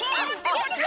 こっちか！